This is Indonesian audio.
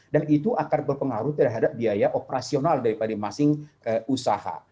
dan itu akan berpengaruh terhadap biaya operasional daripada masing usaha